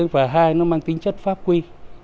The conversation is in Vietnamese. và hai nó mang tính chất pháp quy